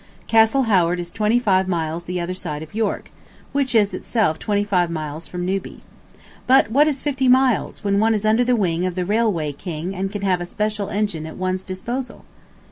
Castle Howard is twenty five miles the other side of York, which is itself twenty five miles from Newby. But what is fifty miles when one is under the wing of the Railway King and can have a special engine at one's disposal.